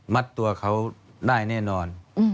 มัดตัวเขาได้แน่นอน